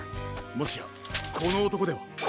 もしやこのおとこでは？